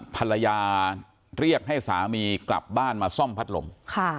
ภรรยาเรียกให้สามีกลับบ้านมาซ่อมพัดลม